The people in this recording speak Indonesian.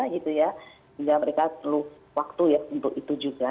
sehingga mereka perlu waktu ya untuk itu juga